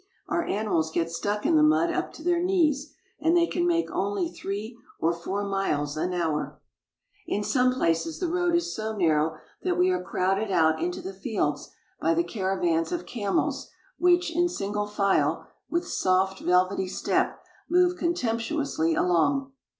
Our animals get stuck in the mud up to their knees, and they can make only three or four miles an hour. 133 THE GREAT WALL OF CHINA In some places the road is so narrow that we are crowded out into the fields by the caravans of camels which, in single file, with soft, velvety step, move contemptuously along.